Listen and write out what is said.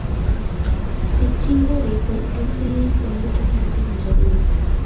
சிற்றின்ப வேட்கை பெருந்துயரில் கொண்டு போய் நிறுத்துகின்றது.